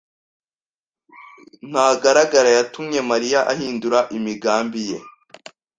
Ntagara yatumye Mariya ahindura imigambi ye.